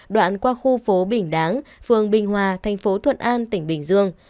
đoạn qua khu phố bình đáng phường bình hòa tp thuận an tỉnh bình dương